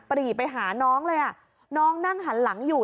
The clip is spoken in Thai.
รีไปหาน้องเลยอ่ะน้องนั่งหันหลังอยู่